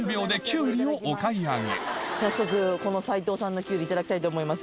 早速この斉藤さんのきゅうりいただきたいと思います。